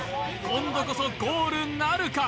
今度こそゴールなるか？